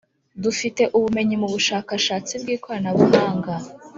dufite ubumenyi mubushakashatsi bwikorana buhanga